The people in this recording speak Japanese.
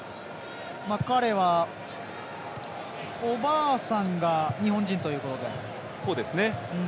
彼は、おばあさんが日本人ということで。